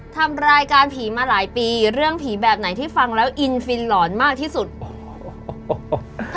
ทำรายการผีมาหลายปีเรื่องผีแบบไหนที่ฟังแล้วอินฟินหลอนมากที่สุดโอ้โห